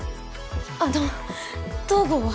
あの東郷は？